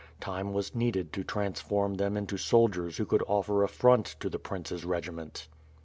Time was needed to transform them into soldiers who could offer a front to the Prince's regiment.